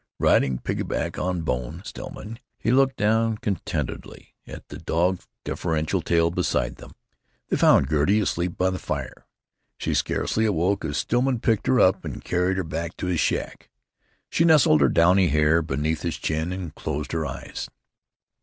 Riding pick a back on Bone Stillman, he looked down contentedly on the dog's deferential tail beside them. They found Gertie asleep by the fire. She scarcely awoke as Stillman picked her up and carried her back to his shack. She nestled her downy hair beneath his chin and closed her eyes.